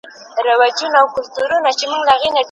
پښتنو واورئ! ډوبېږي بېړۍ ورو ورو